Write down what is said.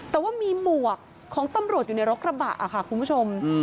แต่ว่ามีหมวกของตำรวจอยู่ในรถกระบะค่ะคุณผู้ชม